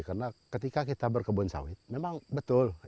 karena ketika kita berkebun sawit memang betul